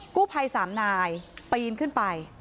กู้ไพรสามนายปีนขึ้นไป